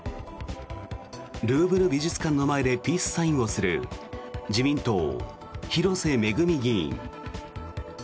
ルーブル美術館の前でピースサインをする自民党、広瀬めぐみ議員。